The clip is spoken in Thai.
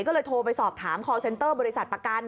ก็เลยโทรไปสอบถามคอร์เซ็นเตอร์บริษัทประกัน